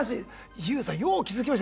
ＹＯＵさんよう気付きました。